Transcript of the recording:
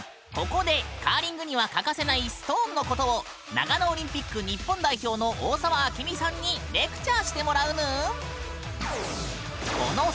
ここでカーリングには欠かせない「ストーン」のことを長野オリンピック日本代表の大澤明美さんにレクチャーしてもらうぬん！